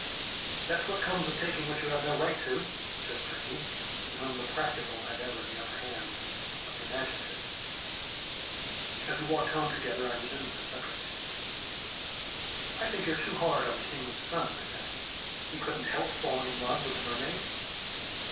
"That's what comes of taking what you have no right to," said Turkey, in whom the practical had ever the upper hand of the imaginative. As we walked home together I resumed the subject. "I think you're too hard on the king's son," I said. "He couldn't help falling in love with the mermaid."